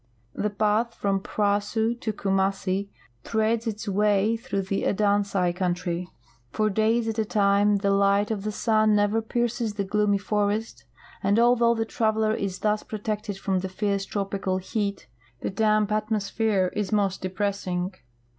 The path from Prahsu to Kumassi threads its way through the Adansai country. For days at a time the liglit of the sun never pierces the gloomy forest, and, although the traveler is thus l)rotected from the fierce tropical heat, the damp atmosphere is most depressing.